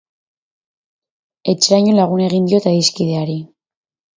Etxeraino lagun egin diot adiskideari.